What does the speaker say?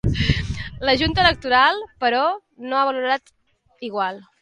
La junta electoral, però, no ho ha valorat igual.